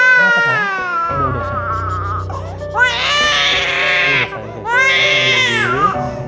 kenapa sayang udah udah sayang